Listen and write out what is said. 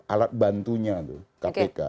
alat bantunya tuh kpk